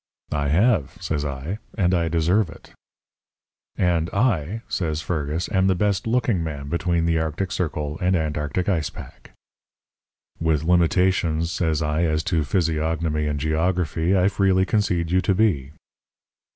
"'I have,' says I. 'And I deserve it.' "'And I,' says Fergus, 'am the best looking man between the arctic circle and antarctic ice pack.' "'With limitations,' says I, 'as to physiognomy and geography, I freely concede you to be.'